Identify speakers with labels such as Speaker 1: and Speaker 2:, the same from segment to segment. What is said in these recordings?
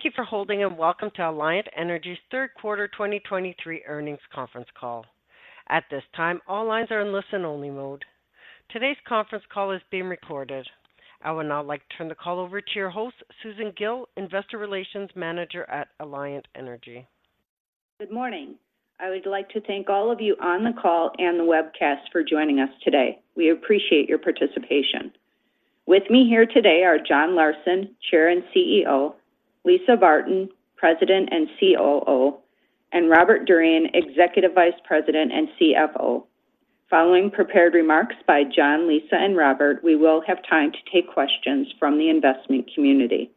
Speaker 1: Thank you for holding and welcome to Alliant Energy's Q3 2023 Earnings Conference Call. At this time, all lines are in listen-only mode. Today's conference call is being recorded. I would now like to turn the call over to your host, Susan Gille, Investor Relations Manager at Alliant Energy.
Speaker 2: Good morning. I would like to thank all of you on the call and the webcast for joining us today. We appreciate your participation. With me here today are John Larsen, Chair and CEO, Lisa Barton, President and COO, and Robert Durian, Executive Vice President and CFO. Following prepared remarks by John, Lisa, and Robert, we will have time to take questions from the investment community.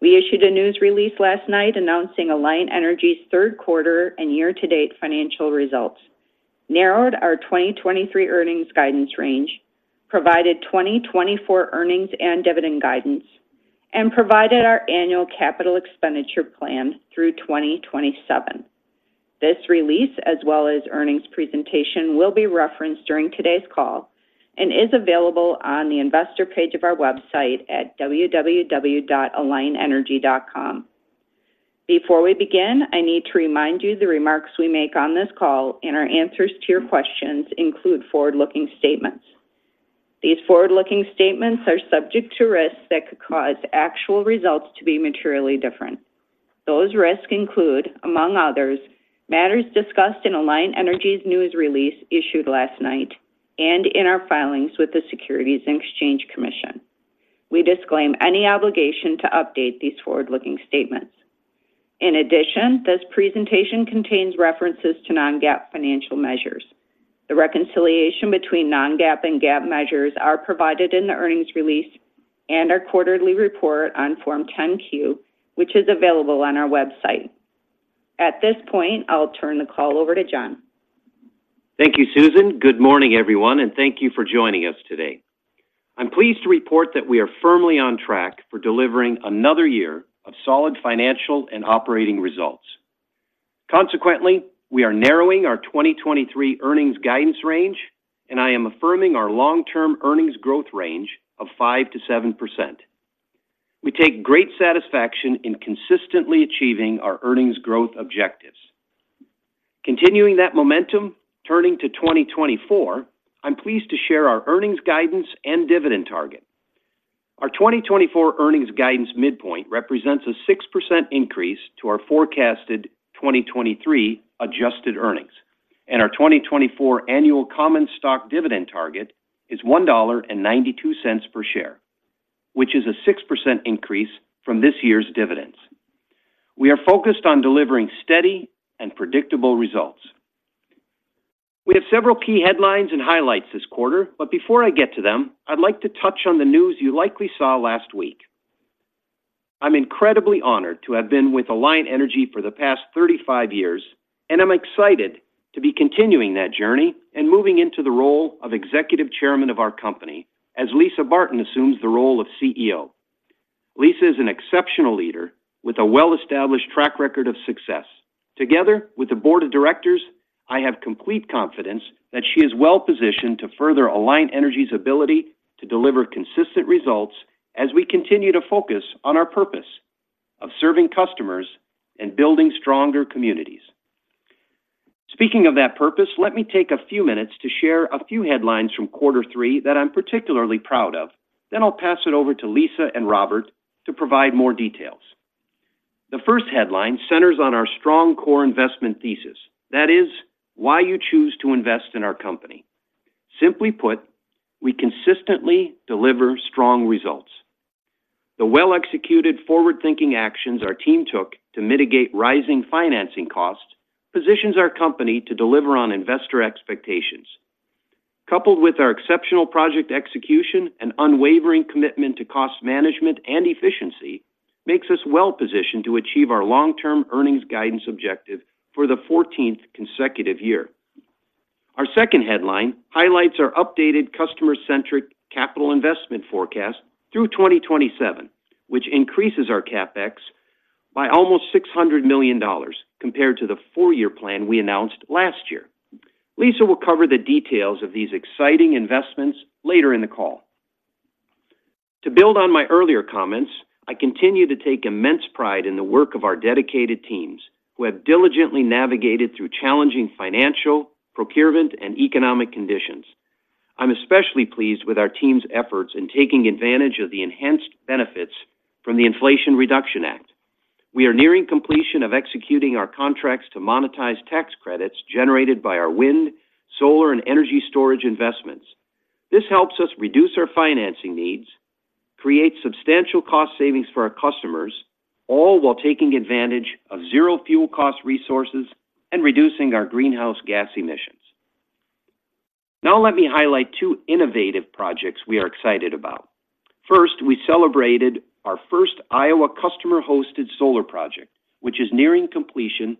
Speaker 2: We issued a news release last night announcing Alliant Energy's Q3 and year-to-date financial results, narrowed our 2023 earnings guidance range, provided 2024 earnings and dividend guidance, and provided our annual capital expenditure plan through 2027. This release, as well as earnings presentation, will be referenced during today's call and is available on the investor page of our website at www.alliantenergy.com. Before we begin, I need to remind you the remarks we make on this call and our answers to your questions include forward-looking statements. These forward-looking statements are subject to risks that could cause actual results to be materially different. Those risks include, among others, matters discussed in Alliant Energy's news release issued last night and in our filings with the Securities and Exchange Commission. We disclaim any obligation to update these forward-looking statements. In addition, this presentation contains references to non-GAAP financial measures. The reconciliation between non-GAAP and GAAP measures are provided in the earnings release and our quarterly report on Form 10-Q, which is available on our website. At this point, I'll turn the call over to John.
Speaker 3: Thank you, Susan. Good morning, everyone, and thank you for joining us today. I'm pleased to report that we are firmly on track for delivering another year of solid financial and operating results. Consequently, we are narrowing our 2023 earnings guidance range, and I am affirming our long-term earnings growth range of 5%-7%. We take great satisfaction in consistently achieving our earnings growth objectives. Continuing that momentum, turning to 2024, I'm pleased to share our earnings guidance and dividend target. Our 2024 earnings guidance midpoint represents a 6% increase to our forecasted 2023 adjusted earnings, and our 2024 annual common stock dividend target is $1.92 per share, which is a 6% increase from this year's dividends. We are focused on delivering steady and predictable results. We have several key headlines and highlights this quarter, but before I get to them, I'd like to touch on the news you likely saw last week. I'm incredibly honored to have been with Alliant Energy for the past 35 years, and I'm excited to be continuing that journey and moving into the role of executive chairman of our company as Lisa Barton assumes the role of CEO. Lisa is an exceptional leader with a well-established track record of success. Together with the board of directors, I have complete confidence that she is well-positioned to further Alliant Energy's ability to deliver consistent results as we continue to focus on our purpose of serving customers and building stronger communities. Speaking of that purpose, let me take a few minutes to share a few headlines from quarter three that I'm particularly proud of, then I'll pass it over to Lisa and Robert to provide more details. The first headline centers on our strong core investment thesis. That is, why you choose to invest in our company. Simply put, we consistently deliver strong results. The well-executed, forward-thinking actions our team took to mitigate rising financing costs, positions our company to deliver on investor expectations. Coupled with our exceptional project execution and unwavering commitment to cost management and efficiency, makes us well-positioned to achieve our long-term earnings guidance objective for the fourteenth consecutive year. Our second headline highlights our updated customer-centric capital investment forecast through 2027, which increases our CapEx by almost $600 million compared to the four-year plan we announced last year. Lisa will cover the details of these exciting investments later in the call. To build on my earlier comments, I continue to take immense pride in the work of our dedicated teams, who have diligently navigated through challenging financial, procurement, and economic conditions. I'm especially pleased with our team's efforts in taking advantage of the enhanced benefits from the Inflation Reduction Act. We are nearing completion of executing our contracts to monetize tax credits generated by our wind, solar, and energy storage investments. This helps us reduce our financing needs, create substantial cost savings for our customers, all while taking advantage of zero fuel cost resources and reducing our greenhouse gas emissions. Now, let me highlight two innovative projects we are excited about. First, we celebrated our first Iowa customer-hosted solar project, which is nearing completion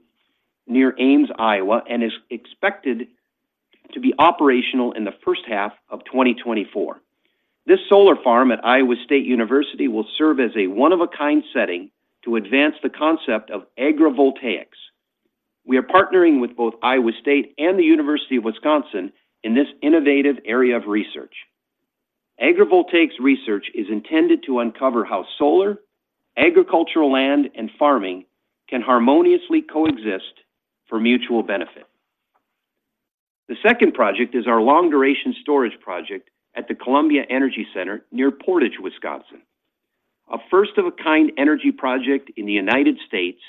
Speaker 3: near Ames, Iowa, and is expected to be operational in the first half of 2024. This solar farm at Iowa State University will serve as a one-of-a-kind setting to advance the concept of agrivoltaics. We are partnering with both Iowa State and the University of Wisconsin in this innovative area of research. Agrivoltaics research is intended to uncover how solar, agricultural land, and farming can harmoniously coexist for mutual benefit. The second project is our long-duration storage project at the Columbia Energy Center near Portage, Wisconsin. A first-of-a-kind energy project in the United States,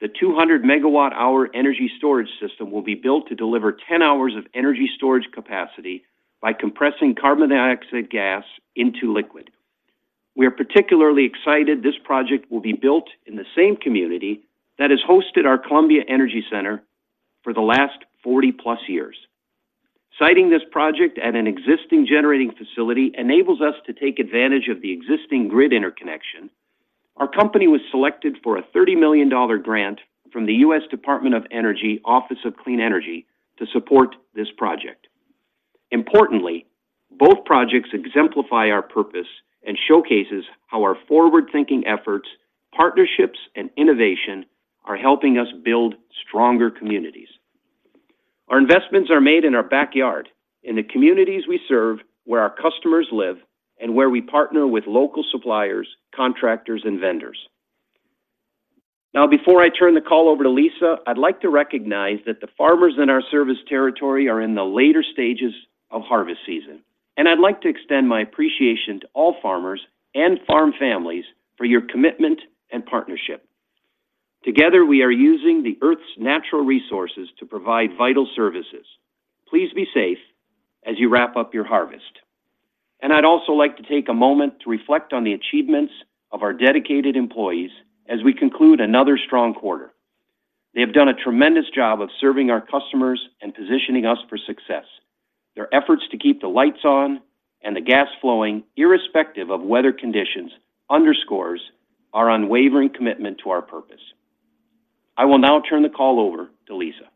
Speaker 3: the 200MWh energy storage system will be built to deliver 10 hours of energy storage capacity by compressing carbon dioxide gas into liquid. We are particularly excited this project will be built in the same community that has hosted our Columbia Energy Center for the last 40+ years. Citing this project at an existing generating facility enables us to take advantage of the existing grid interconnection. Our company was selected for a $30 million grant from the U.S. Department of Energy, Office of Clean Energy, to support this project. Importantly, both projects exemplify our purpose and showcases how our forward-thinking efforts, partnerships, and innovation are helping us build stronger communities. Our investments are made in our backyard, in the communities we serve, where our customers live, and where we partner with local suppliers, contractors, and vendors. Now, before I turn the call over to Lisa, I'd like to recognize that the farmers in our service territory are in the later stages of harvest season, and I'd like to extend my appreciation to all farmers and farm families for your commitment and partnership. Together, we are using the Earth's natural resources to provide vital services. Please be safe as you wrap up your harvest. I'd also like to take a moment to reflect on the achievements of our dedicated employees as we conclude another strong quarter. They have done a tremendous job of serving our customers and positioning us for success. Their efforts to keep the lights on and the gas flowing, irrespective of weather conditions, underscores our unwavering commitment to our purpose. I will now turn the call over to Lisa.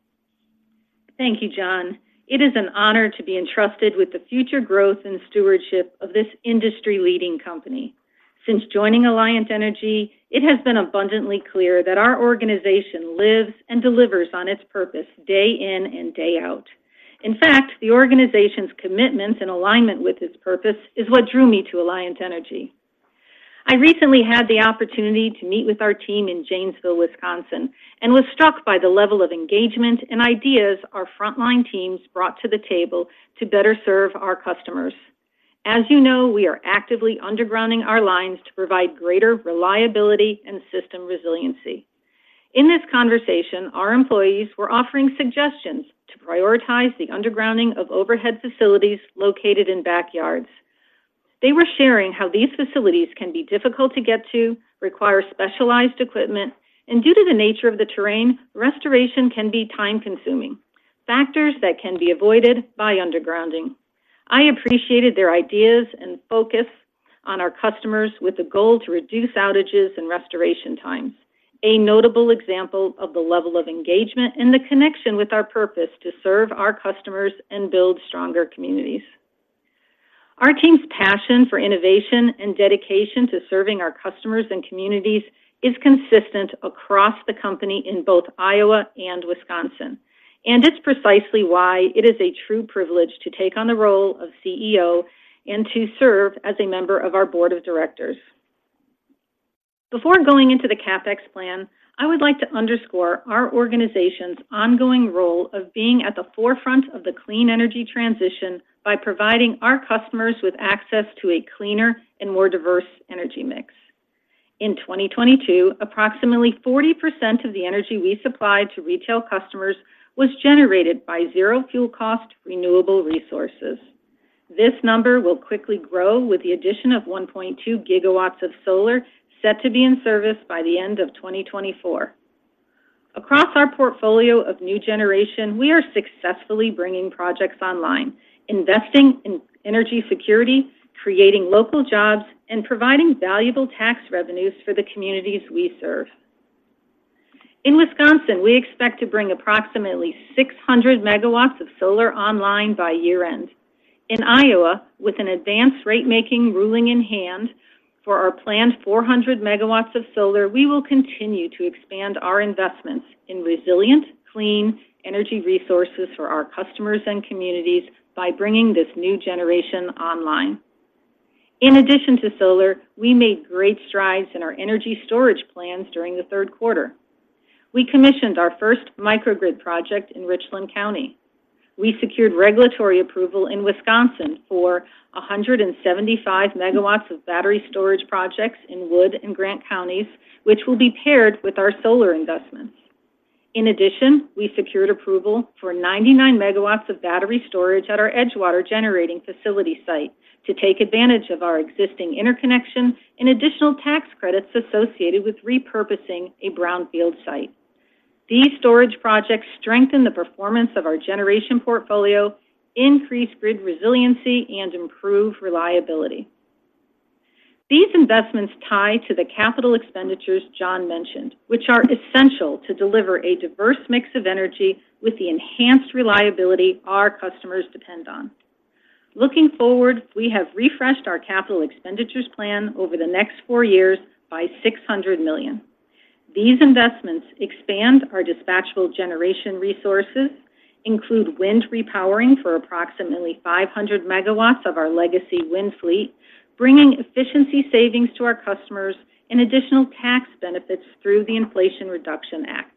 Speaker 4: Thank you, John. It is an honor to be entrusted with the future growth and stewardship of this industry-leading company. Since joining Alliant Energy, it has been abundantly clear that our organization lives and delivers on its purpose day in and day out. In fact, the organization's commitments and alignment with its purpose is what drew me to Alliant Energy. I recently had the opportunity to meet with our team in Janesville, Wisconsin, and was struck by the level of engagement and ideas our frontline teams brought to the table to better serve our customers. As you know, we are actively undergrounding our lines to provide greater reliability and system resiliency. In this conversation, our employees were offering suggestions to prioritize the undergrounding of overhead facilities located in backyards. They were sharing how these facilities can be difficult to get to, require specialized equipment, and due to the nature of the terrain, restoration can be time-consuming, factors that can be avoided by undergrounding. I appreciated their ideas and focus on our customers with the goal to reduce outages and restoration times, a notable example of the level of engagement and the connection with our purpose to serve our customers and build stronger communities. Our team's passion for innovation and dedication to serving our customers and communities is consistent across the company in both Iowa and Wisconsin, and it's precisely why it is a true privilege to take on the role of CEO and to serve as a member of our board of directors. Before going into the CapEx plan, I would like to underscore our organization's ongoing role of being at the forefront of the clean energy transition by providing our customers with access to a cleaner and more diverse energy mix. In 2022, approximately 40% of the energy we supplied to retail customers was generated by zero-fuel-cost, renewable resources. This number will quickly grow with the addition of 1.2 GW of solar set to be in service by the end of 2024. Across our portfolio of new generation, we are successfully bringing projects online, investing in energy security, creating local jobs, and providing valuable tax revenues for the communities we serve. In Wisconsin, we expect to bring approximately 600MW of solar online by year-end. In Iowa, with an advanced ratemaking ruling in hand for our planned 400MW of solar, we will continue to expand our investments in resilient, clean energy resources for our customers and communities by bringing this new generation online. In addition to solar, we made great strides in our energy storage plans during the Q3. We commissioned our first microgrid project in Richland County. We secured regulatory approval in Wisconsin for 175MW of battery storage projects in Wood and Grant Counties, which will be paired with our solar investments. In addition, we secured approval for 99MW of battery storage at our Edgewater generating facility site to take advantage of our existing interconnection and additional tax credits associated with repurposing a brownfield site. These storage projects strengthen the performance of our generation portfolio, increase grid resiliency, and improve reliability. These investments tie to the capital expenditures John mentioned, which are essential to deliver a diverse mix of energy with the enhanced reliability our customers depend on. Looking forward, we have refreshed our capital expenditures plan over the next 4 years by $600 million. These investments expand our dispatchable generation resources, include wind repowering for approximately 500MW of our legacy wind fleet, bringing efficiency savings to our customers and additional tax benefits through the Inflation Reduction Act.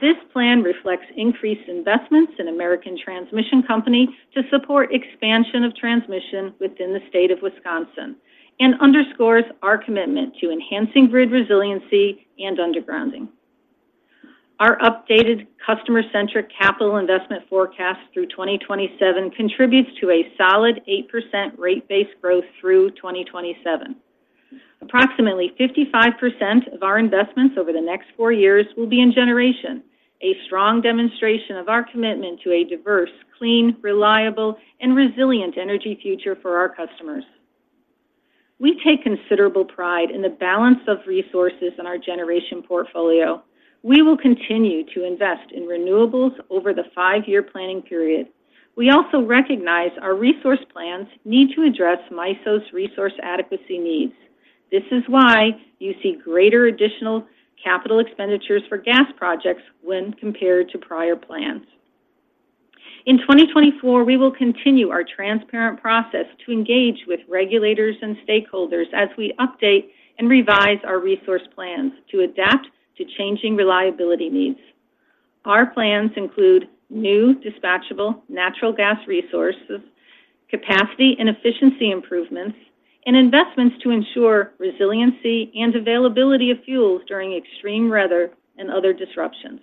Speaker 4: This plan reflects increased investments in American Transmission Company to support expansion of transmission within the state of Wisconsin and underscores our commitment to enhancing grid resiliency and undergrounding. Our updated customer-centric capital investment forecast through 2027 contributes to a solid 8% rate base growth through 2027. Approximately 55% of our investments over the next 4 years will be in generation, a strong demonstration of our commitment to a diverse, clean, reliable, and resilient energy future for our customers. We take considerable pride in the balance of resources in our generation portfolio. We will continue to invest in renewables over the 5-year planning period. We also recognize our resource plans need to address MISO's resource adequacy needs. This is why you see greater additional capital expenditures for gas projects when compared to prior plans. In 2024, we will continue our transparent process to engage with regulators and stakeholders as we update and revise our resource plans to adapt to changing reliability needs. Our plans include new dispatchable natural gas resources, capacity and efficiency improvements, and investments to ensure resiliency and availability of fuels during extreme weather and other disruptions.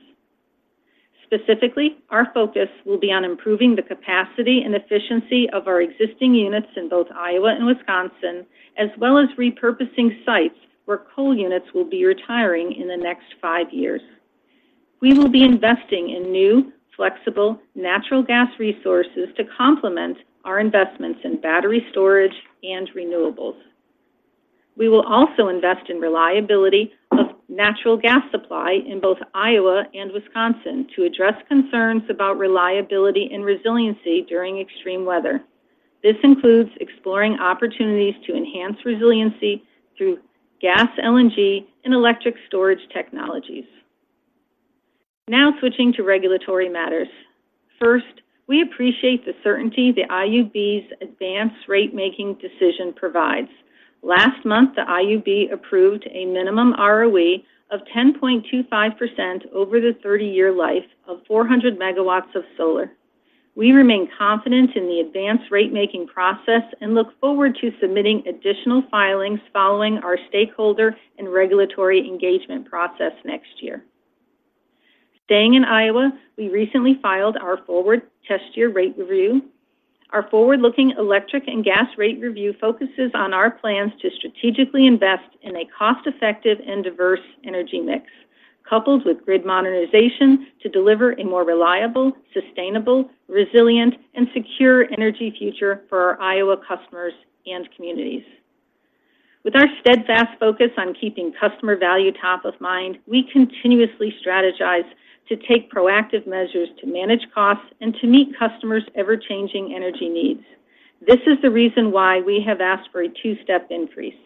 Speaker 4: Specifically, our focus will be on improving the capacity and efficiency of our existing units in both Iowa and Wisconsin, as well as repurposing sites where coal units will be retiring in the next five years. We will be investing in new, flexible natural gas resources to complement our investments in battery storage and renewables. We will also invest in reliability of natural gas supply in both Iowa and Wisconsin to address concerns about reliability and resiliency during extreme weather. This includes exploring opportunities to enhance resiliency through gas, LNG, and electric storage technologies. Now switching to regulatory matters. First, we appreciate the certainty the IUB's advanced ratemaking decision provides. Last month, the IUB approved a minimum ROE of 10.25% over the 30-year life of 400MW of solar. We remain confident in the advanced ratemaking process and look forward to submitting additional filings following our stakeholder and regulatory engagement process next year. Staying in Iowa, we recently filed our forward test year rate review. Our forward-looking electric and gas rate review focuses on our plans to strategically invest in a cost-effective and diverse energy mix, coupled with grid modernization to deliver a more reliable, sustainable, resilient, and secure energy future for our Iowa customers and communities. With our steadfast focus on keeping customer value top of mind, we continuously strategize to take proactive measures to manage costs and to meet customers' ever-changing energy needs. This is the reason why we have asked for a two-step increase.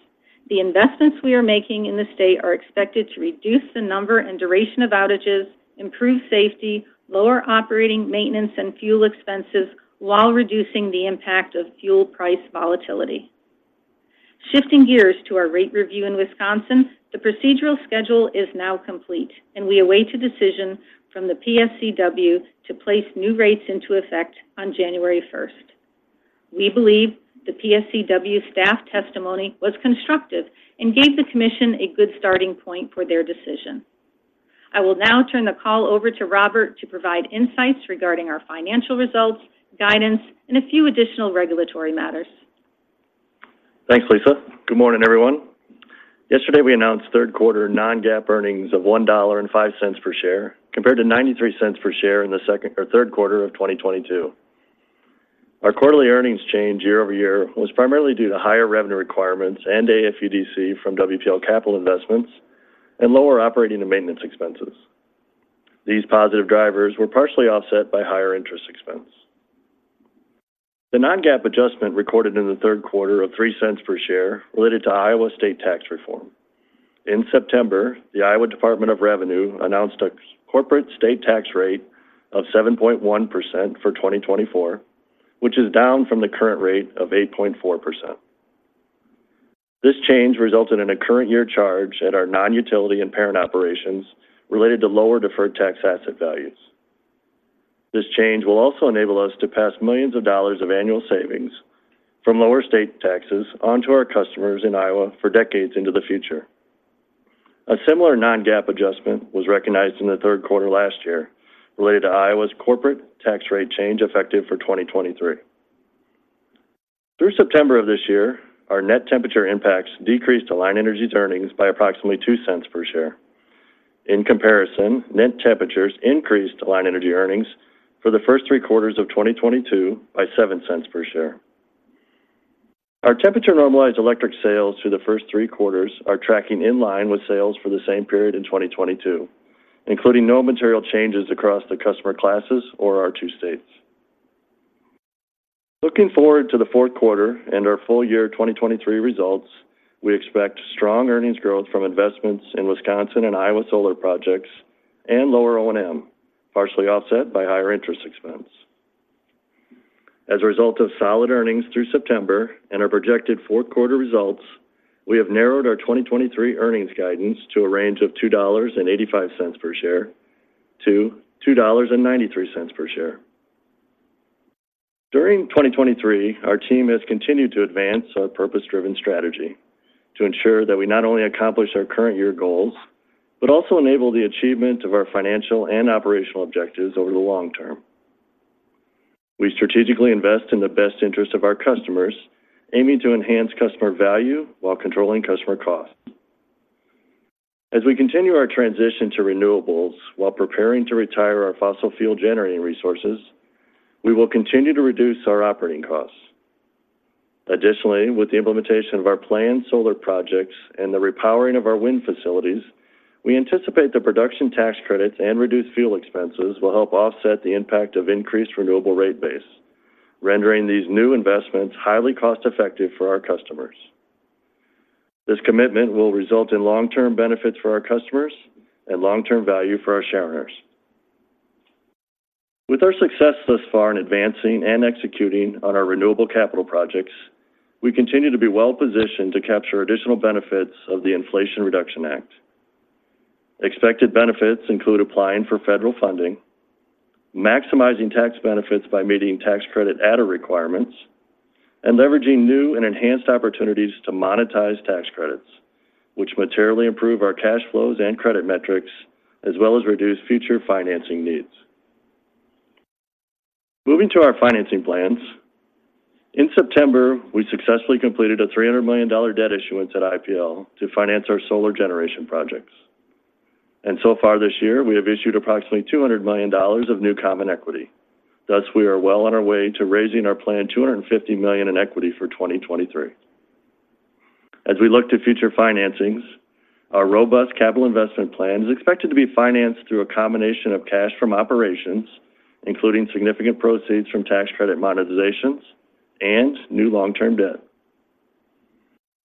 Speaker 4: The investments we are making in the state are expected to reduce the number and duration of outages, improve safety, lower operating maintenance and fuel expenses, while reducing the impact of fuel price volatility. Shifting gears to our rate review in Wisconsin, the procedural schedule is now complete, and we await a decision from the PSCW to place new rates into effect on January first. We believe the PSCW staff testimony was constructive and gave the commission a good starting point for their decision. I will now turn the call over to Robert to provide insights regarding our financial results, guidance, and a few additional regulatory matters.
Speaker 5: Thanks, Lisa. Good morning, everyone. Yesterday, we announced Q3 non-GAAP earnings of $1.05 per share, compared to $0.93 per share in the second or Q3 of 2022. Our quarterly earnings change year over year was primarily due to higher revenue requirements and AFUDC from WPL capital investments and lower operating and maintenance expenses. These positive drivers were partially offset by higher interest expense. The non-GAAP adjustment recorded in the Q3 of $0.03 per share related to Iowa state tax reform. In September, the Iowa Department of Revenue announced a corporate state tax rate of 7.1% for 2024, which is down from the current rate of 8.4%. This change resulted in a current year charge at our non-utility and parent operations related to lower deferred tax asset values. This change will also enable us to pass millions of dollars of annual savings from lower state taxes onto our customers in Iowa for decades into the future. A similar non-GAAP adjustment was recognized in the Q3 last year, related to Iowa's corporate tax rate change effective for 2023. Through September of this year, our net temperature impacts decreased Alliant Energy's earnings by approximately $0.02 per share. In comparison, net temperatures increased Alliant Energy earnings for the first three quarters of 2022 by $0.07 per share. Our temperature-normalized electric sales through the first three quarters are tracking in line with sales for the same period in 2022, including no material changes across the customer classes or our two states. Looking forward to the Q4 and our full year 2023 results, we expect strong earnings growth from investments in Wisconsin and Iowa solar projects and lower O&M, partially offset by higher interest expense. As a result of solid earnings through September and our projected Q4 results, we have narrowed our 2023 earnings guidance to a range of $2.85-$2.93 per share. During 2023, our team has continued to advance our purpose-driven strategy to ensure that we not only accomplish our current year goals, but also enable the achievement of our financial and operational objectives over the long term. We strategically invest in the best interest of our customers, aiming to enhance customer value while controlling customer costs. As we continue our transition to renewables while preparing to retire our fossil fuel generating resources, we will continue to reduce our operating costs. Additionally, with the implementation of our planned solar projects and the repowering of our wind facilities, we anticipate the production tax credits and reduced fuel expenses will help offset the impact of increased renewable rate base, rendering these new investments highly cost-effective for our customers. This commitment will result in long-term benefits for our customers and long-term value for our shareholders. With our success thus far in advancing and executing on our renewable capital projects, we continue to be well positioned to capture additional benefits of the Inflation Reduction Act. Expected benefits include applying for federal funding, maximizing tax benefits by meeting tax credit adder requirements, and leveraging new and enhanced opportunities to monetize tax credits, which materially improve our cash flows and credit metrics, as well as reduce future financing needs. Moving to our financing plans, in September, we successfully completed a $300 million debt issuance at IPL to finance our solar generation projects. So far this year, we have issued approximately $200 million of new common equity. Thus, we are well on our way to raising our planned $250 million in equity for 2023. As we look to future financings, our robust capital investment plan is expected to be financed through a combination of cash from operations, including significant proceeds from tax credit monetizations and new long-term debt.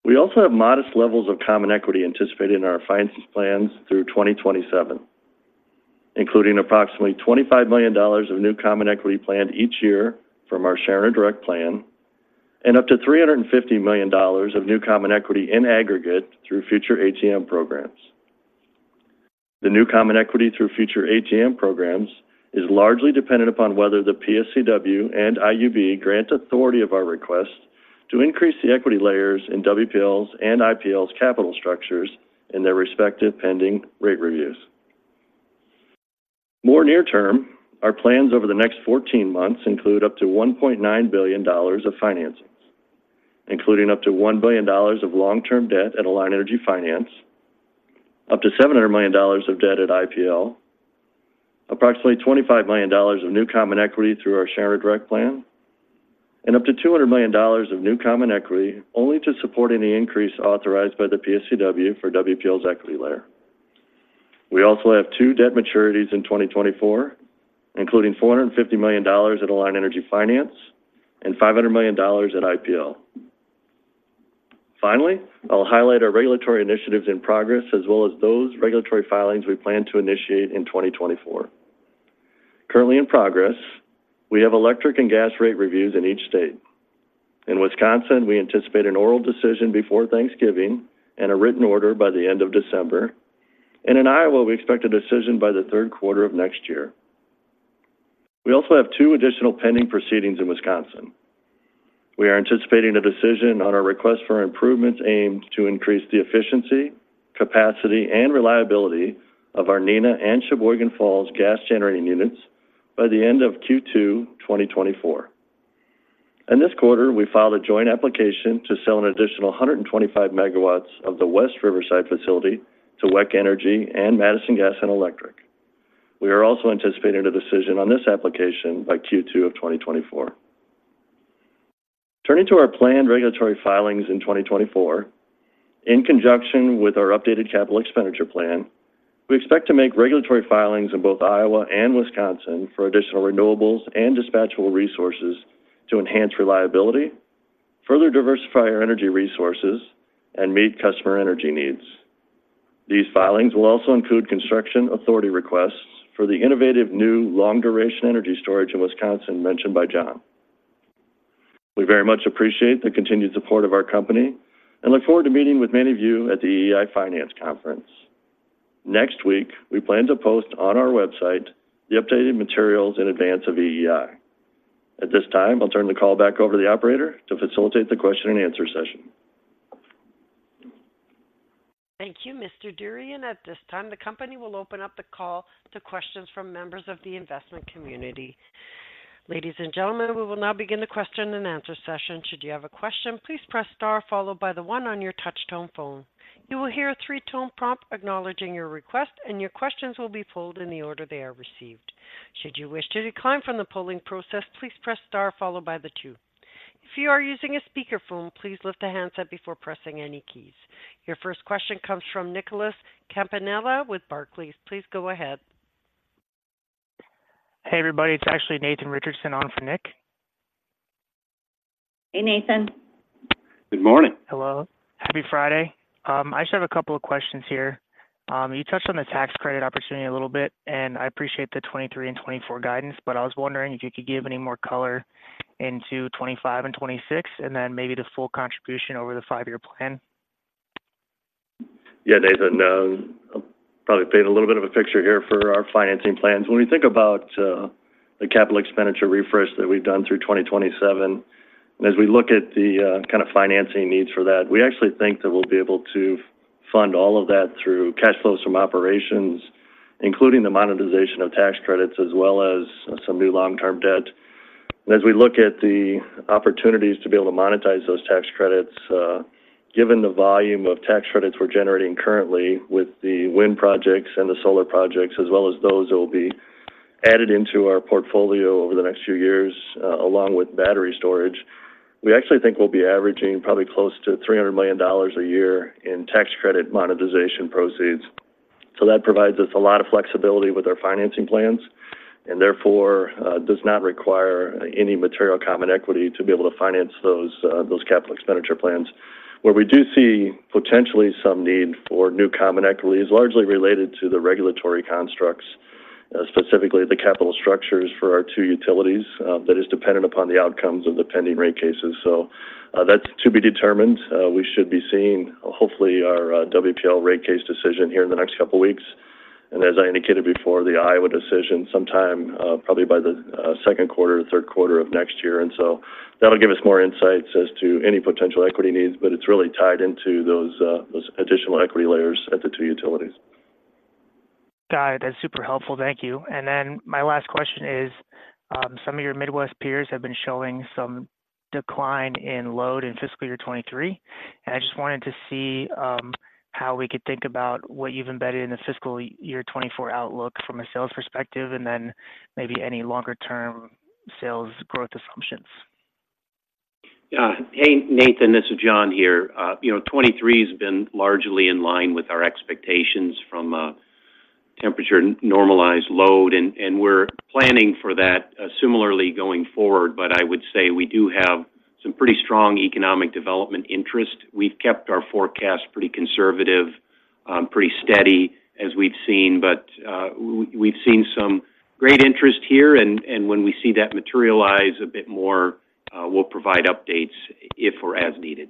Speaker 5: We also have modest levels of common equity anticipated in our financial plans through 2027, including approximately $25 million of new common equity planned each year from our Shareholder Direct Plan, and up to $350 million of new common equity in aggregate through future ATM programs. The new common equity through future ATM programs is largely dependent upon whether the PSCW and IUB grant authority of our request to increase the equity layers in WPL's and IPL's capital structures in their respective pending rate reviews. More near term, our plans over the next 14 months include up to $1.9 billion of financings, including up to $1 billion of long-term debt at Alliant Energy Finance, up to $700 million of debt at IPL, approximately $25 million of new common equity through our Shareholder Direct Plan, and up to $200 million of new common equity only to support any increase authorized by the PSCW for WPL's equity layer. We also have 2 debt maturities in 2024, including $450 million at Alliant Energy Finance and $500 million at IPL. Finally, I'll highlight our regulatory initiatives in progress, as well as those regulatory filings we plan to initiate in 2024. Currently in progress, we have electric and gas rate reviews in each state. In Wisconsin, we anticipate an oral decision before Thanksgiving and a written order by the end of December, and in Iowa, we expect a decision by the Q3 of next year. We also have two additional pending proceedings in Wisconsin. We are anticipating a decision on our request for improvements aimed to increase the efficiency, capacity, and reliability of our Neenah and Sheboygan Falls gas generating units by the end of Q2 2024. In this quarter, we filed a joint application to sell an additional 125 megawatts of the West Riverside facility to WEC Energy and Madison Gas and Electric. We are also anticipating a decision on this application by Q2 2024. Turning to our planned regulatory filings in 2024, in conjunction with our updated capital expenditure plan, we expect to make regulatory filings in both Iowa and Wisconsin for additional renewables and dispatchable resources to enhance reliability, further diversify our energy resources, and meet customer energy needs. These filings will also include construction authority requests for the innovative new long-duration energy storage in Wisconsin mentioned by John. We very much appreciate the continued support of our company and look forward to meeting with many of you at the EEI Finance Conference. Next week, we plan to post on our website the updated materials in advance of EEI. At this time, I'll turn the call back over to the operator to facilitate the question and answer session.
Speaker 1: Thank you, Mr. Durian. At this time, the company will open up the call to questions from members of the investment community. Ladies and gentlemen, we will now begin the question-and-answer session. Should you have a question, please press star followed by the one on your touchtone phone. You will hear a three-tone prompt acknowledging your request, and your questions will be pulled in the order they are received. Should you wish to decline from the polling process, please press star followed by the two. If you are using a speakerphone, please lift the handset before pressing any keys. Your first question comes from Nicholas Campanella with Barclays. Please go ahead.
Speaker 6: Hey, everybody, it's actually Nathan Richardson on for Nick.
Speaker 3: Hey, Nathan.
Speaker 5: Good morning!
Speaker 6: Hello. Happy Friday. I just have a couple of questions here. You touched on the tax credit opportunity a little bit, and I appreciate the '23 and '24 guidance, but I was wondering if you could give any more color into '25 and '26, and then maybe the full contribution over the five-year plan?
Speaker 5: Yeah, Nathan, I'll probably paint a little bit of a picture here for our financing plans. When we think about the capital expenditure refresh that we've done through 2027, and as we look at the kind of financing needs for that, we actually think that we'll be able to fund all of that through cash flows from operations, including the monetization of tax credits, as well as some new long-term debt. And as we look at the opportunities to be able to monetize those tax credits, given the volume of tax credits we're generating currently with the wind projects and the solar projects, as well as those that will be added into our portfolio over the next few years, along with battery storage, we actually think we'll be averaging probably close to $300 million a year in tax credit monetization proceeds. So that provides us a lot of flexibility with our financing plans, and therefore, does not require any material common equity to be able to finance those, those capital expenditure plans. Where we do see potentially some need for new common equity is largely related to the regulatory constructs, specifically the capital structures for our two utilities, that is dependent upon the outcomes of the pending rate cases. So, that's to be determined. We should be seeing, hopefully, our, WPL rate case decision here in the next couple weeks. And as I indicated before, the Iowa decision, sometime, probably by the, Q2, Q3 of next year. And so that'll give us more insights as to any potential equity needs, but it's really tied into those, those additional equity layers at the two utilities.
Speaker 6: Got it. That's super helpful. Thank you. And then my last question is, some of your Midwest peers have been showing some decline in load in fiscal year 2023, and I just wanted to see, how we could think about what you've embedded in the fiscal year 2024 outlook from a sales perspective, and then maybe any longer-term sales growth assumptions.
Speaker 3: Hey, Nathan, this is John here. You know, 2023 has been largely in line with our expectations from temperature-normalized load, and we're planning for that similarly going forward. But I would say we do have some pretty strong economic development interest. We've kept our forecast pretty conservative, pretty steady as we've seen, but we've seen some great interest here, and when we see that materialize a bit more, we'll provide updates if or as needed.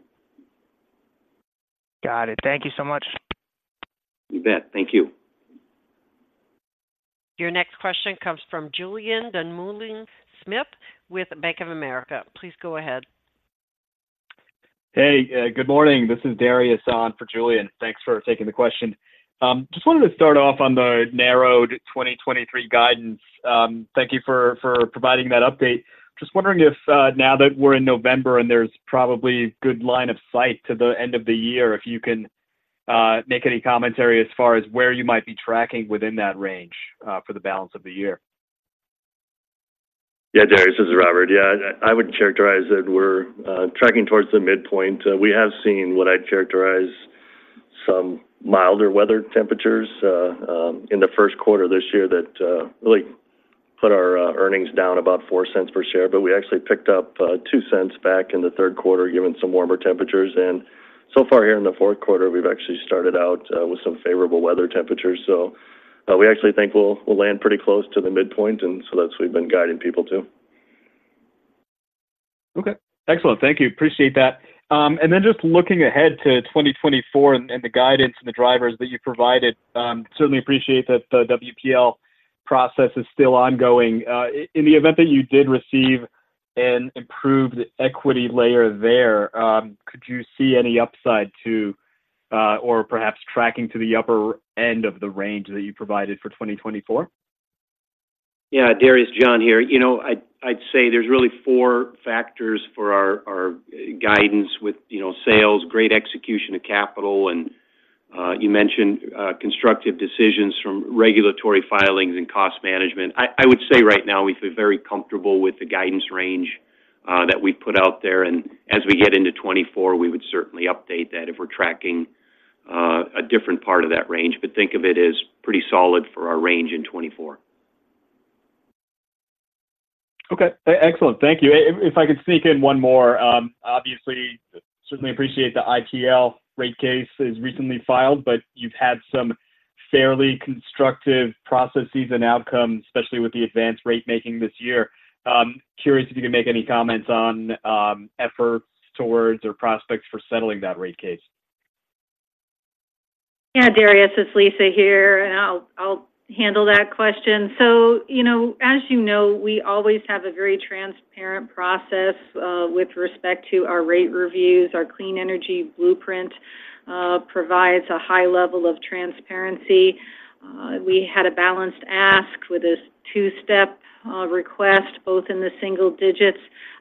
Speaker 6: Got it. Thank you so much.
Speaker 3: You bet. Thank you.
Speaker 1: Your next question comes from Julian Dumoulin-Smith with Bank of America. Please go ahead.
Speaker 7: Hey, good morning. This is Darius on for Julian. Thanks for taking the question. Just wanted to start off on the narrowed 2023 guidance. Thank you for, for providing that update. Just wondering if, now that we're in November, and there's probably good line of sight to the end of the year, if you can, make any commentary as far as where you might be tracking within that range, for the balance of the year.
Speaker 5: Yeah, Darius, this is Robert. Yeah, I would characterize that we're tracking towards the midpoint. We have seen what I'd characterize some milder weather temperatures in the Q1 this year that really put our earnings down about $0.04 per share, but we actually picked up $0.02 back in the Q3, given some warmer temperatures. And so far here in the Q4, we've actually started out with some favorable weather temperatures. So, we actually think we'll land pretty close to the midpoint, and so that's what we've been guiding people to.
Speaker 7: Okay, excellent. Thank you. Appreciate that. And then just looking ahead to 2024 and the guidance and the drivers that you provided, certainly appreciate that the WPL process is still ongoing. In the event that you did receive an improved equity layer there, could you see any upside to, or perhaps tracking to the upper end of the range that you provided for 2024?
Speaker 3: Yeah, Darius, John here. You know, I'd say there's really four factors for our guidance with, you know, sales, great execution of capital, and you mentioned constructive decisions from regulatory filings and cost management. I would say right now, we feel very comfortable with the guidance range that we put out there, and as we get into 2024, we would certainly update that if we're tracking a different part of that range. But think of it as pretty solid for our range in 2024.
Speaker 7: Okay, excellent. Thank you. If I could sneak in one more, obviously, certainly appreciate the IPL rate case is recently filed, but you've had some fairly constructive processes and outcomes, especially with the advanced ratemaking this year. Curious if you can make any comments on, efforts towards or prospects for settling that rate case.
Speaker 4: Yeah, Darius, it's Lisa here, and I'll handle that question. So, you know, as you know, we always have a very transparent process with respect to our rate reviews. Our Clean Energy Blueprint provides a high level of transparency. We had a balanced ask with a two-step request, both in the single digits.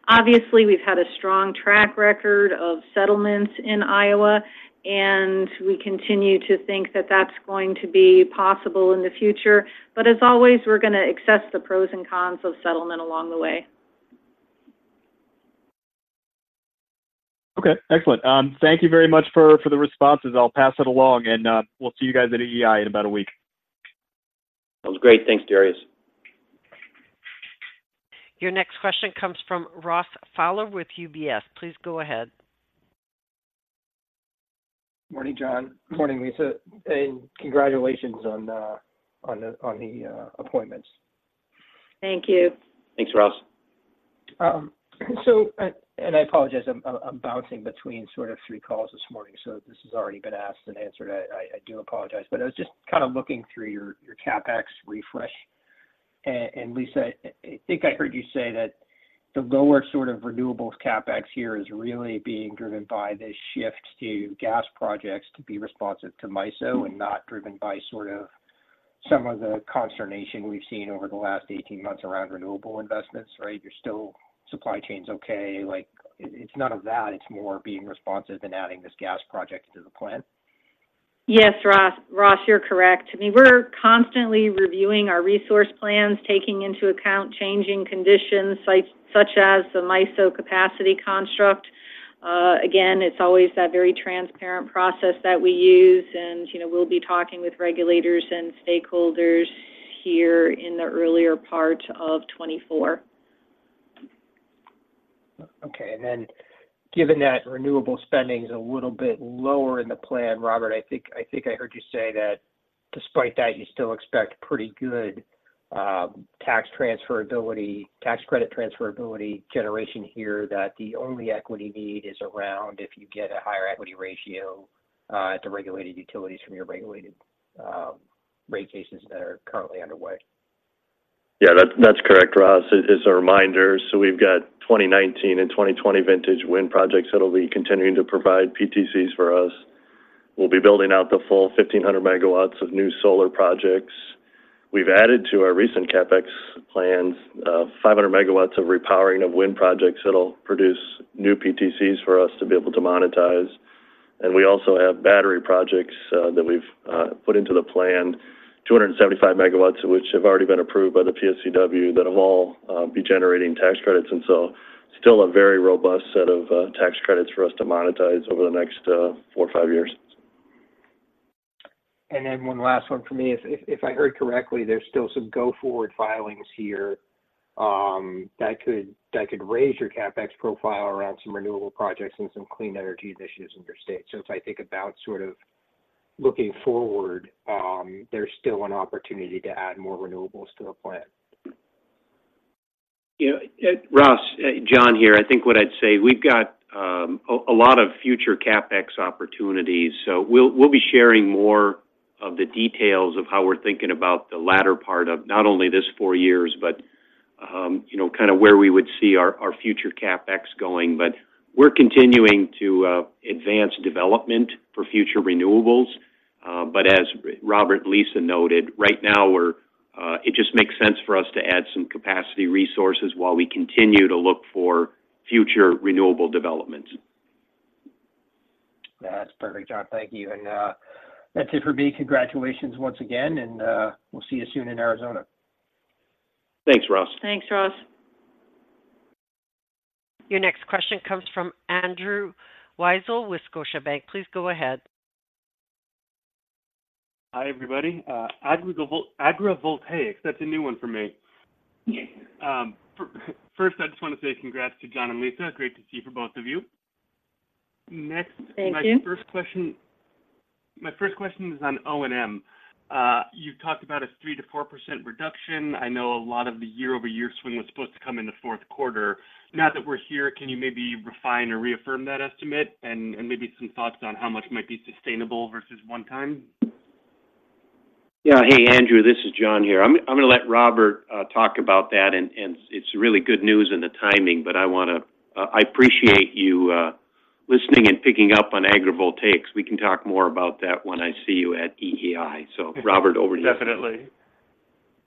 Speaker 4: Obviously, we've had a strong track record of settlements in Iowa, and we continue to think that that's going to be possible in the future. But as always, we're going to assess the pros and cons of settlement along the way.
Speaker 7: Okay, excellent. Thank you very much for the responses. I'll pass it along, and we'll see you guys at EEI in about a week.
Speaker 5: That was great. Thanks, Darius.
Speaker 1: Your next question comes from Ross Fowler with UBS. Please go ahead.
Speaker 8: Morning, John. Morning, Lisa, and congratulations on the appointments.
Speaker 4: Thank you.
Speaker 5: Thanks, Ross.
Speaker 8: I apologize, I'm bouncing between sort of three calls this morning, so if this has already been asked and answered, I do apologize. But I was just kind of looking through your CapEx refresh. And Lisa, I think I heard you say that the lower sort of renewables CapEx here is really being driven by the shift to gas projects to be responsive to MISO and not driven by sort of some of the consternation we've seen over the last 18 months around renewable investments, right? You're still supply chain's okay. Like, it's none of that, it's more being responsive and adding this gas project to the plan.
Speaker 4: Yes, Ross. Ross, you're correct. I mean, we're constantly reviewing our resource plans, taking into account changing conditions, such as the MISO capacity construct. Again, it's always that very transparent process that we use, and, you know, we'll be talking with regulators and stakeholders here in the earlier part of 2024.
Speaker 8: Okay. And then given that renewable spending is a little bit lower in the plan, Robert, I think, I think I heard you say that despite that, you still expect pretty good, tax transferability, tax credit transferability generation here, that the only equity need is around if you get a higher equity ratio, at the regulated utilities from your regulated, rate cases that are currently underway.
Speaker 5: Yeah, that's, that's correct, Ross. As, as a reminder, so we've got 2019 and 2020 vintage wind projects that'll be continuing to provide PTCs for us. We'll be building out the full 1,500 megawatts of new solar projects. We've added to our recent CapEx plans, 500 megawatts of repowering of wind projects that'll produce new PTCs for us to be able to monetize. And we also have battery projects that we've put into the plan, 275 megawatts, which have already been approved by the PSCW, that have all be generating tax credits. And so still a very robust set of tax credits for us to monetize over the next 4 or 5 years.
Speaker 8: And then one last one for me. If I heard correctly, there's still some go-forward filings here that could raise your CapEx profile around some renewable projects and some clean energy initiatives in your state. So if I think about sort of looking forward, there's still an opportunity to add more renewables to the plan.
Speaker 5: Yeah, Ross, John here. I think what I'd say, we've got a lot of future CapEx opportunities, so we'll be sharing more of the details of how we're thinking about the latter part of not only this four years, but you know, kind of where we would see our future CapEx going. But we're continuing to advance development for future renewables. But as Robert and Lisa noted, right now we're it just makes sense for us to add some capacity resources while we continue to look for future renewable developments.
Speaker 8: That's perfect, John. Thank you. That's it for me. Congratulations once again, and we'll see you soon in Arizona.
Speaker 5: Thanks, Ross.
Speaker 4: Thanks, Ross.
Speaker 1: Your next question comes from Andrew Weisel with Scotiabank. Please go ahead.
Speaker 9: Hi, everybody. Agrivoltaics, that's a new one for me.
Speaker 4: Yes.
Speaker 9: First, I just want to say congrats to John and Lisa. Great to see you, both of you.
Speaker 4: Thank you.
Speaker 9: Next, my first question is on O&M. You talked about a 3%-4% reduction. I know a lot of the year-over-year swing was supposed to come in the Q4. Now that we're here, can you maybe refine or reaffirm that estimate and maybe some thoughts on how much might be sustainable versus one time?
Speaker 5: Yeah. Hey, Andrew, this is John here. I'm going to let Robert talk about that, and it's really good news in the timing, but I want to... I appreciate you listening and picking up on agrivoltaics. We can talk more about that when I see you at EEI. So Robert, over to you.
Speaker 9: Definitely.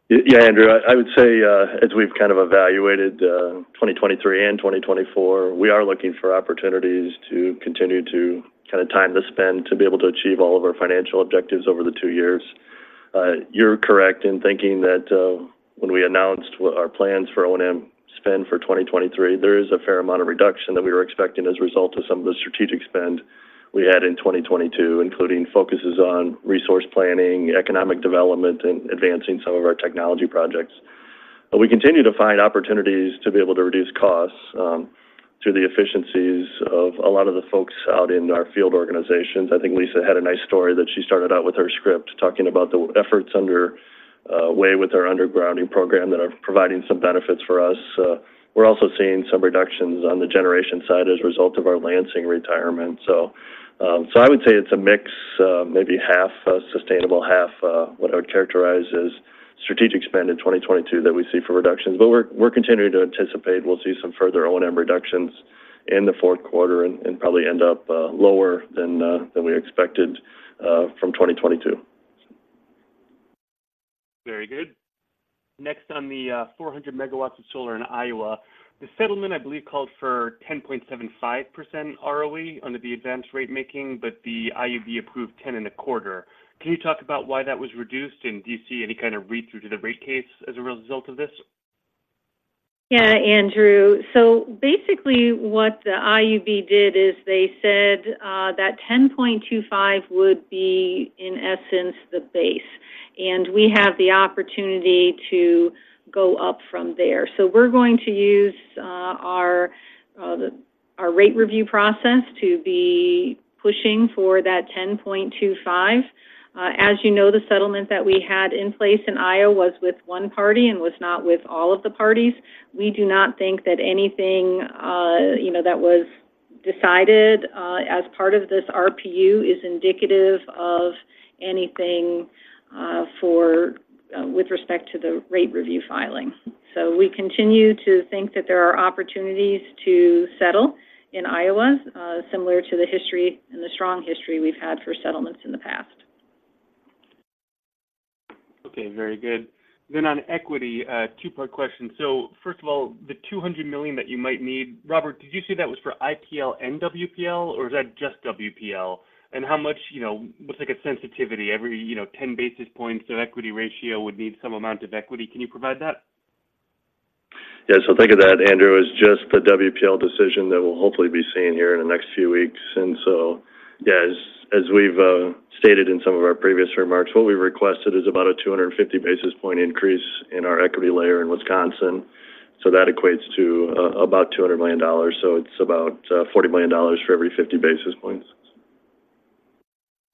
Speaker 5: Yeah, Andrew, I would say, as we've kind of evaluated, 2023 and 2024, we are looking for opportunities to continue to kind of time the spend to be able to achieve all of our financial objectives over the two years. You're correct in thinking that, when we announced what our plans for O&M spend for 2023, there is a fair amount of reduction that we were expecting as a result of some of the strategic spend we had in 2022, including focuses on resource planning, economic development, and advancing some of our technology projects. But we continue to find opportunities to be able to reduce costs, through the efficiencies of a lot of the folks out in our field organizations. I think Lisa had a nice story that she started out with her script, talking about the efforts underway with our undergrounding program that are providing some benefits for us. We're also seeing some reductions on the generation side as a result of our Lansing retirement. So, I would say it's a mix, maybe half, sustainable, half, what I would characterize as strategic spend in 2022 that we see for reductions. But we're continuing to anticipate we'll see some further O&M reductions in the Q4 and probably end up lower than we expected from 2022.
Speaker 9: Very good. Next, on the 400MW of solar in Iowa, the settlement, I believe, called for 10.75% ROE under the advanced rate making, but the IUB approved 10.25. Can you talk about why that was reduced, and do you see any kind of read-through to the rate case as a result of this?
Speaker 4: Yeah, Andrew. So basically, what the IUB did is they said that 10.25 would be, in essence, the base, and we have the opportunity to go up from there. So we're going to use our rate review process to be pushing for that 10.25. As you know, the settlement that we had in place in Iowa was with one party and was not with all of the parties. We do not think that anything, you know, that was decided as part of this RPU is indicative of anything with respect to the rate review filing. So we continue to think that there are opportunities to settle in Iowa, similar to the history and the strong history we've had for settlements in the past.
Speaker 9: Okay, very good. Then on equity, two-part question. So first of all, the $200 million that you might need, Robert, did you say that was for IPL and WPL, or is that just WPL? And how much, you know, what's like a sensitivity? Every, you know, 10 basis points of equity ratio would need some amount of equity. Can you provide that?
Speaker 5: Yeah. So think of that, Andrew, as just the WPL decision that will hopefully be seen here in the next few weeks. And so, yeah, as we've stated in some of our previous remarks, what we requested is about a 250 basis point increase in our equity layer in Wisconsin. So that equates to about $200 million. So it's about $40 million for every 50 basis points.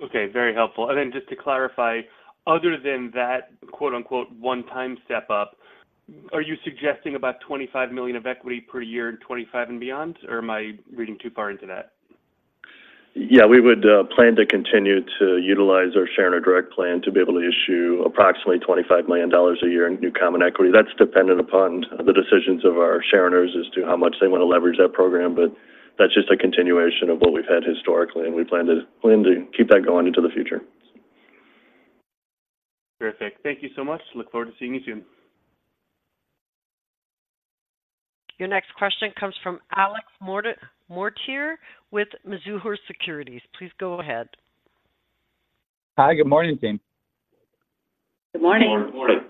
Speaker 9: Okay, very helpful. And then just to clarify, other than that, quote, unquote, "one-time step up," are you suggesting about $25 million of equity per year in 2025 and beyond, or am I reading too far into that?
Speaker 5: Yeah, we would plan to continue to utilize our Shareholder Direct Plan to be able to issue approximately $25 million a year in new common equity. That's dependent upon the decisions of our shareholders as to how much they want to leverage that program, but that's just a continuation of what we've had historically, and we plan to keep that going into the future.
Speaker 9: Perfect. Thank you so much. Look forward to seeing you soon.
Speaker 1: Your next question comes from Alex Mortimer with Mizuho Securities. Please go ahead.
Speaker 10: Hi, good morning, team.
Speaker 4: Good morning.
Speaker 5: Good morning.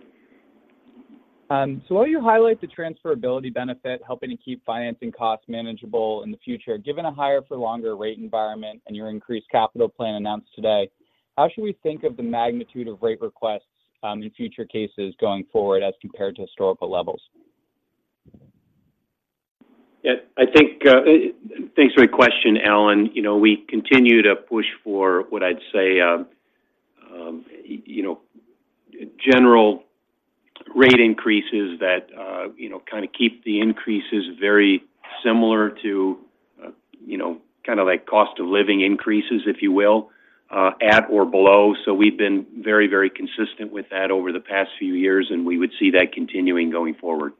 Speaker 10: So while you highlight the transferability benefit, helping to keep financing costs manageable in the future, given a higher for longer rate environment and your increased capital plan announced today, how should we think of the magnitude of rate requests in future cases going forward as compared to historical levels?
Speaker 5: Yeah, Thanks for the question, Alan. You know, we continue to push for what I'd say, you know, general rate increases that, you know, kind of keep the increases very similar to, you know, kind of like cost of living increases, if you will, at or below. So we've been very, very consistent with that over the past few years, and we would see that continuing going forward.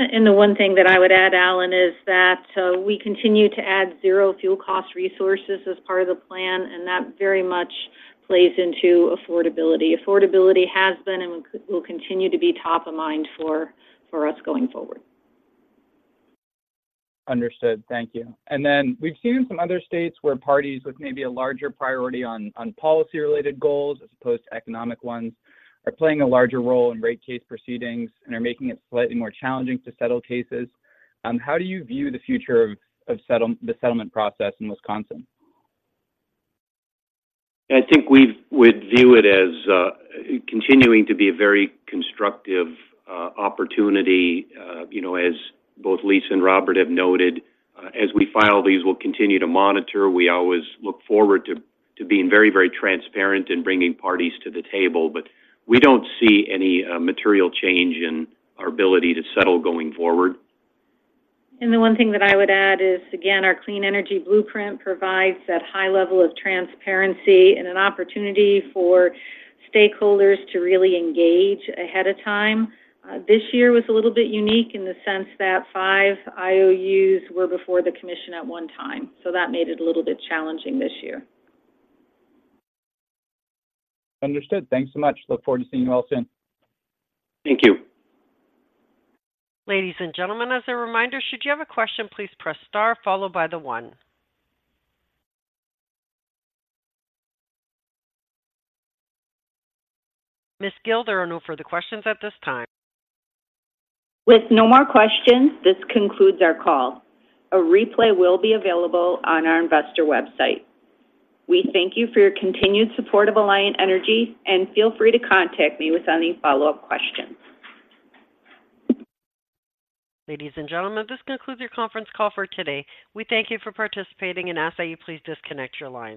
Speaker 4: And the one thing that I would add, Alan, is that we continue to add zero fuel cost resources as part of the plan, and that very much plays into affordability. Affordability has been and will continue to be top of mind for us going forward.
Speaker 10: Understood. Thank you. And then we've seen some other states where parties with maybe a larger priority on, on policy-related goals as opposed to economic ones, are playing a larger role in rate case proceedings and are making it slightly more challenging to settle cases. How do you view the future of the settlement process in Wisconsin?
Speaker 5: I think we would view it as continuing to be a very constructive opportunity. You know, as both Lisa and Robert have noted, as we file these, we'll continue to monitor. We always look forward to being very, very transparent in bringing parties to the table, but we don't see any material change in our ability to settle going forward.
Speaker 4: The one thing that I would add is, again, our Clean Energy Blueprint provides that high level of transparency and an opportunity for stakeholders to really engage ahead of time. This year was a little bit unique in the sense that five IOUs were before the commission at one time, so that made it a little bit challenging this year.
Speaker 10: Understood. Thanks so much. Look forward to seeing you all soon.
Speaker 5: Thank you.
Speaker 1: Ladies and gentlemen, as a reminder, should you have a question, please press star followed by the one. Ms. Gille, there are no further questions at this time.
Speaker 2: With no more questions, this concludes our call. A replay will be available on our investor website. We thank you for your continued support of Alliant Energy, and feel free to contact me with any follow-up questions.
Speaker 1: Ladies and gentlemen, this concludes your conference call for today. We thank you for participating and ask that you please disconnect your lines.